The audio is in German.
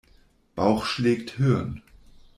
Bauch schlägt Hirn.